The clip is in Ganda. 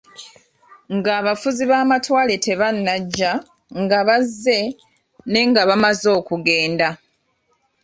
Nga abafuzi b'amatwale tebanajja, nga bazze, ne nga bamaze okugenda.